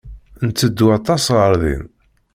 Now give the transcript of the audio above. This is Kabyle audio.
Netteddu aṭas ɣer din.